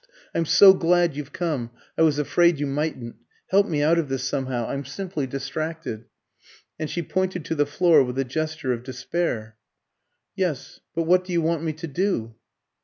I'm so glad you've come I was afraid you mightn't. Help me out of this somehow I'm simply distracted." And she pointed to the floor with a gesture of despair. "Yes; but what do you want me to do?"